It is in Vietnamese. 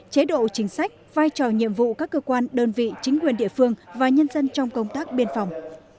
chế độ chính sách vai trò nhiệm vụ các cơ quan đơn vị chính quyền địa phương và nhân dân trong công tác biên phòng